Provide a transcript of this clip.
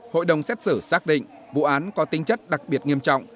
hội đồng xét xử xác định vụ án có tinh chất đặc biệt nghiêm trọng